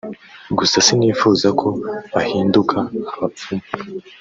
gusa sinifuza ko bahinduka abapfumu